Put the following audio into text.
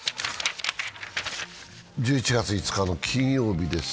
１１月５日の金曜日です。